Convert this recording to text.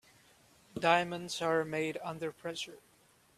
Diamonds are made under pressure.